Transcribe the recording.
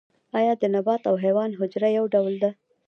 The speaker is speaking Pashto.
ایا د نبات او حیوان حجره یو ډول ده